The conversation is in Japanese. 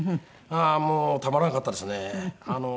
もうたまらなかったですね。